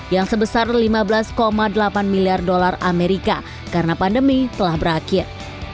yang sebesar lima belas delapan miliar dolar amerika karena pandemi telah berakhir